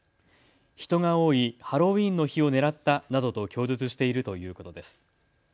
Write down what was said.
人が多いハロウィーンの日を狙ったなどと供述しているということです。